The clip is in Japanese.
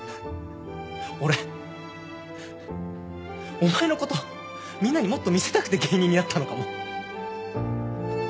俺お前の事をみんなにもっと見せたくて芸人になったのかも。